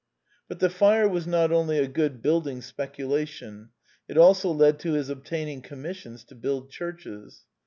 But the fire was not only a good building specu lation : it also led to his obtaining commissions to build churches.